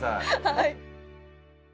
はい。